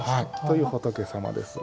という仏様です。